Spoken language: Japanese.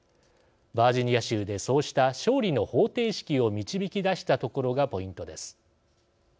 バージニア州でそうした勝利の方程式を導き出したところがポイントです。